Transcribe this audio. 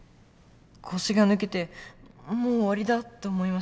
腰が抜けてもう終わりだと思いました。